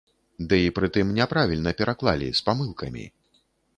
Ды і пры тым няправільна пераклалі, з памылкамі.